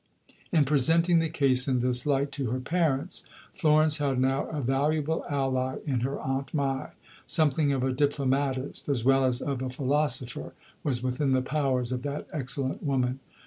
In presenting the case in this light to her parents, Florence had now a valuable ally in her Aunt Mai. Something of a diplomatist, as well as of a philosopher, was within the powers of that excellent woman.